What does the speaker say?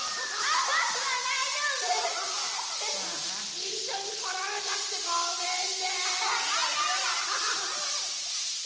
いっしょにこられなくてごめんね！